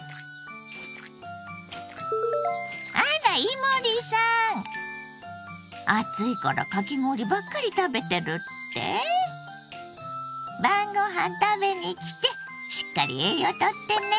あら伊守さん暑いからかき氷ばっかり食べてるって⁉晩ご飯食べに来てしっかり栄養とってね。